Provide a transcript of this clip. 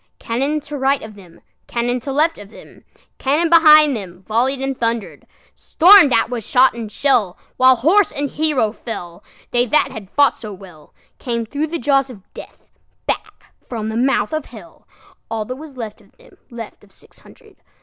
Cannon to right of them, Cannon to left of them, Cannon behind themVolley'd and thunder'd; Storm'd at with shot and shell, While horse and hero fell, They that had fought so wellCame thro' the jaws of Death, Back from the mouth of Hell, All that was left of them, Left of six hundred.